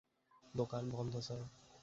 দোকান বন্ধ, স্যার।